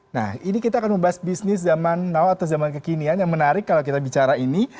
nah ini kita akan membahas bisnis zaman now atau zaman kekinian yang menarik kalau kita bicara ini